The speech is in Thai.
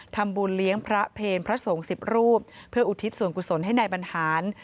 ทำบุญเลี้ยงพระเพลพระสงฆ์๑๐รูปเพื่ออุทิศส่วนกุศลให้นายบรรหาร